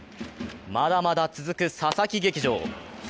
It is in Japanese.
まだまだ続く佐々木劇場。